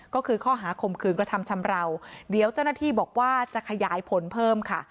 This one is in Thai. ก็คือข้อหาข่มขืนกระทำชำราวเดี๋ยวเจ้าหน้าที่บอกว่าจะขยายผลเพิ่มค่ะ